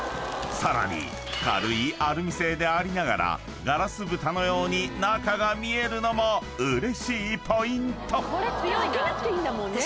［さらに軽いアルミ製でありながらガラスぶたのように中が見えるのもうれしいポイント］